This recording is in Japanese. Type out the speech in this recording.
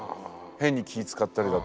変に気ぃ遣ったりだとか。